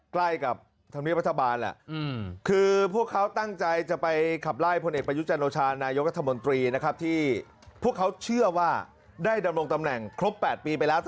ใกล้กับธรรมเนียบรัฐบาลแหละคือพวกเขาตั้งใจจะไปขับไล่พลเอกประยุจันโอชานายกรัฐมนตรีนะครับที่พวกเขาเชื่อว่าได้ดำรงตำแหน่งครบ๘ปีไปแล้ว